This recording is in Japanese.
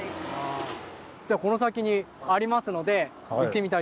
じゃあこの先にありますので行ってみたいと思います。